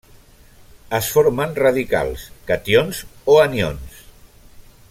Es formen radicals cations o anions.